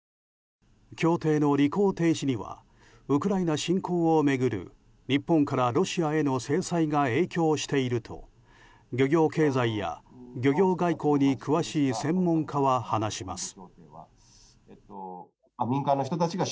協定の履行停止にはウクライナ侵攻を巡る日本からロシアへの制裁が影響していると漁業経済や漁業外交に詳しい専門家は話します。